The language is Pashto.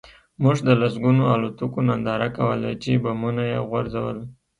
موږ د لسګونو الوتکو ننداره کوله چې بمونه یې غورځول